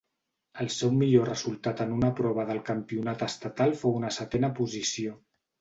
El seu millor resultat en una prova del campionat estatal fou una setena posició.